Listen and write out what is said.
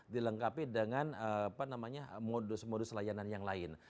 dilengkapi dengan modus modus layanan yang lain